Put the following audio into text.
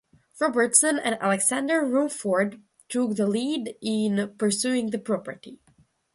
Robertson and Alexander Rume Ford took the lead in pursuing the property.